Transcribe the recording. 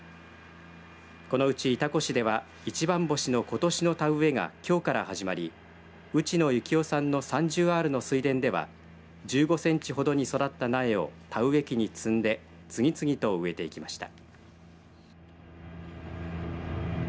このうち潮来市では一番星のことしの田植えがきょうから始まり内野幸夫さんの３０アールの水田では１５センチほどに育った苗を田植え機に積んで次々と植えていきました。